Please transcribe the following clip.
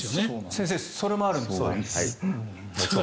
先生それもあるんですか？